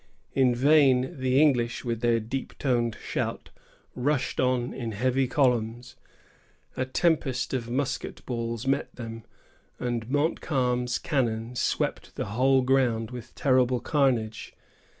In vain the English, with their deep toned shout, rushed on in heavy columns. A tempest of musket balls met them, and Montcalm's cannon swept the whole ground with terrible carnage.